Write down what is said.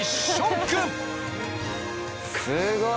すごい！